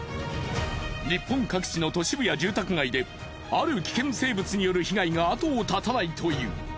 日本各地の都市部や住宅街である危険生物による被害が後を絶たないという。